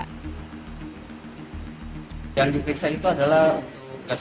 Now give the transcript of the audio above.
kebetulan alhamdulillah semuanya lolos